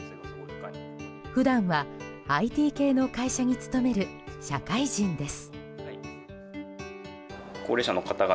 普段はＩＴ系の会社に勤める社会人です。